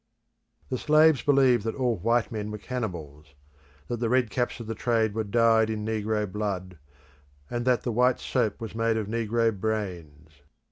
The slaves believed that all white men were cannibals; that the red caps of the trade were dyed in negro blood, and that the white soap was made of negro brains.